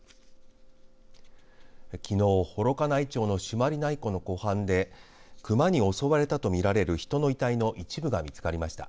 きのう、幌加内町の朱鞠内湖の湖畔で熊に襲われたと見られる人の遺体の一部が見つかりました。